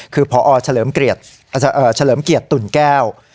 คือพอเฉลิมเกลียดเอ่อเฉลิมเกลียดตุ๋นแก้ว